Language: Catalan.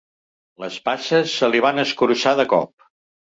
Les passes se li van escurçar de cop.